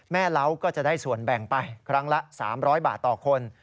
เล้าก็จะได้ส่วนแบ่งไปครั้งละ๓๐๐บาทต่อคน